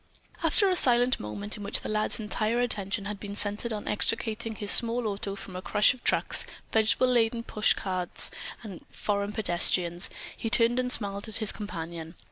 After a silent moment in which the lad's entire attention had been centered on extricating his small auto from a crush of trucks, vegetable laden push carts and foreign pedestrians, he turned and smiled at his companion.